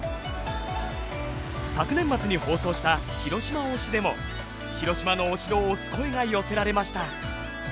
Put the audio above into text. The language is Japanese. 昨年末に放送した「広島推し」でも広島のお城を推す声が寄せられました。